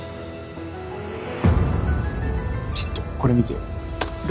ちょっとこれ見てよ。